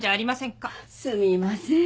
すみません。